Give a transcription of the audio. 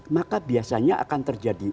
maka biasanya akan terjadi